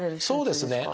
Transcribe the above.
そうですね。